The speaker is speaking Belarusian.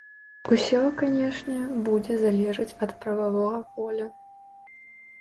Усё, канечне, будзе залежаць ад прававога поля.